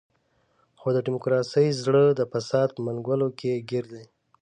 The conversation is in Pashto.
خو د ډیموکراسۍ زړه د فساد په منګولو کې ګیر دی.